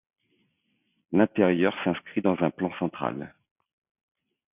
L'intérieur s'inscrit dans un plan central.